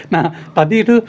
nah tadi itu